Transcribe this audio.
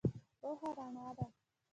پوهه رڼا ده